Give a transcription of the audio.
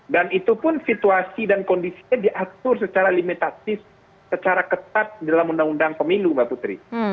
dan itu pun situasi dan kondisinya diatur secara limitatif secara ketat dalam undang undang pemilu mbak putri